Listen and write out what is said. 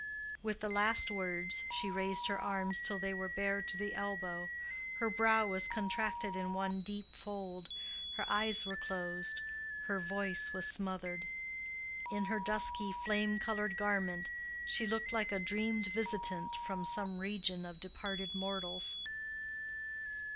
With the last words she raised her arms till they were bare to the elbow, her brow was contracted in one deep fold, her eyes were closed, her voice was smothered: in her dusky flame colored garment, she looked like a dreamed visitant from some region of departed mortals.